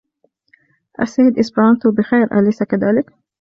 السيد إسبرانتو بخير, اليسَ كذلك ؟